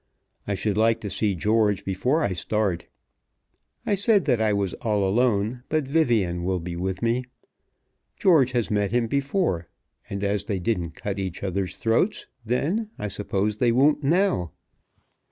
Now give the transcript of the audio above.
I should like to see George before I start. I said that I was all alone; but Vivian will be with me. George has met him before, and as they didn't cut each other's throats then I suppose they won't now."